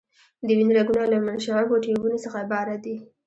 د وینې رګونه له منشعبو ټیوبونو څخه عبارت دي.